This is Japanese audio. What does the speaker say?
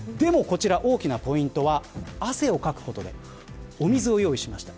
大きなポイントは汗をかくことでお水を用意しました。